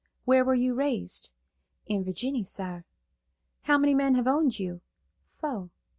"Where were you raised?" "In Virginny, sar." "How many men have owned you?" "Fo."